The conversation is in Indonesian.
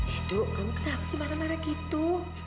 hidup kamu kenapa sih marah marah gitu